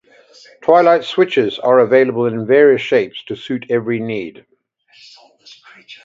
Twilight switches are available in various shapes to suit every need.